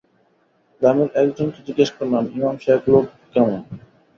গ্রামের একজনকে জিজ্ঞেস করলাম, ইমাম সাহেব লোক কেমন?